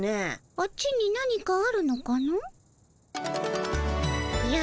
あっちに何かあるのかの？